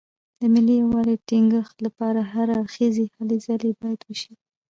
د ملي یووالي ټینګښت لپاره هر اړخیزې هلې ځلې باید وشي.